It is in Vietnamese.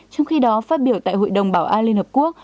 trong khi đó phát biểu tại hội đồng bảo an liên hợp quốc